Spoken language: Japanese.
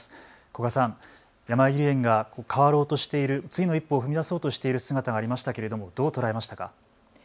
古賀さん、やまゆり園が変わろうとしている、次の一歩を踏み出そうとしている姿がありましたけれどもどう捉えましたか。